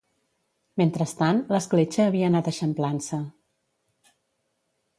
Mentrestant l'escletxa havia anat eixamplant-se.